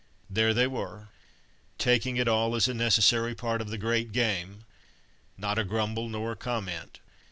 There they were, taking it all as a necessary part of the great game; not a grumble nor a comment.